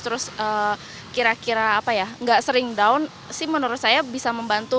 tidak sering down menurut saya bisa membantu